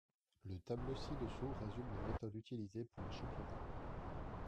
Le tableau ci-dessous résume les méthodes utilisées pour les championnats.